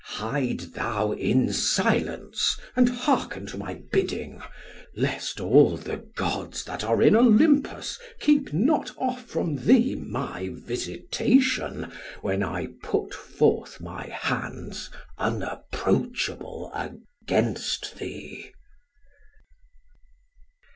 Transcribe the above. Hide thou in silence and hearken to my bidding, lest all the gods that are in Olympus keep not off from thee my visitation, when I put forth my hands unapproachable against thee."